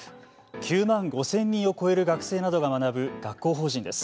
９万５０００人を超える学生などが学ぶ学校法人です。